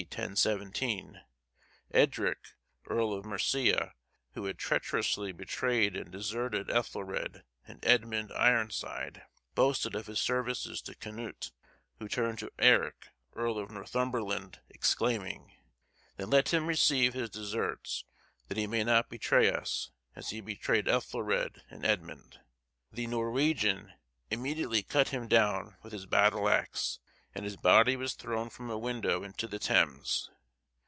1017, Edric, earl of Mercia, who had treacherously betrayed and deserted Ethelred and Edmund Ironside, boasted of his services to Canute, who turned to Eric, earl of Northumberland, exclaiming, "Then let him receive his deserts, that he may not betray us, as he betrayed Ethelred and Edmund." The Norwegian immediately cut him down with his battle axe, and his body was thrown from a window into the Thames.